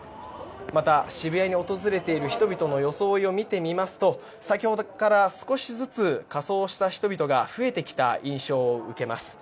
また、渋谷に訪れている人々の装いを見てみますと先ほどから少しずつ仮装した人々が増えてきた印象を受けます。